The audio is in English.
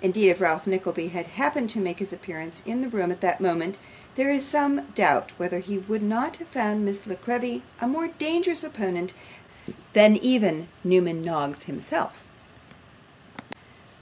Indeed, if Ralph Nickleby had happened to make his appearance in the room at that moment, there is some doubt whether he would not have found Miss La Creevy a more dangerous opponent than even Newman Noggs himself.